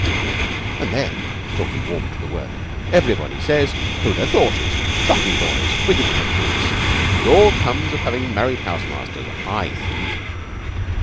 "And then" Stalky warmed to the work "everybody says, 'Who'd ha' thought it? Shockin' boys! Wicked little kids!' It all comes of havin' married house masters, I think."